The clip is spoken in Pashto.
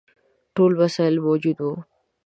ټول وسایل موجود وه.